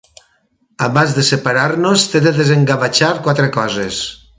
Abans de separar-nos, t'he de desengavatxar quatre coses.